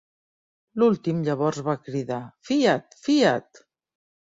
L'últim llavors va cridar "fiat, fiat!".